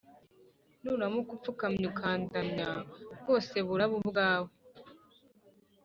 . Nuramuka upfukamye ukandamya, bwose buraba ubwawe